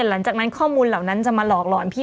หลังจากนั้นข้อมูลเหล่านั้นจะมาหลอกหลอนพี่